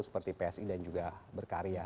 seperti psi dan juga berkarya